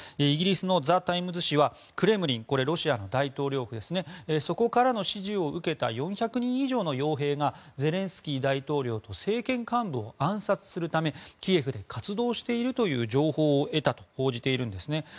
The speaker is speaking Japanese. イギリスのザ・タイムズ紙はクレムリンこれはロシアの大統領府ですねそこからの指示を受けた４００人以上の傭兵がゼレンスキー大統領と政権幹部を暗殺するためキエフで活動しているという情報を得たと報じているんですね。